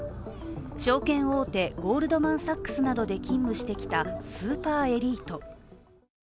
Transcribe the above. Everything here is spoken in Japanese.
証券大手ゴールドマン・サックスなどで勤務してきたスーパーエリート。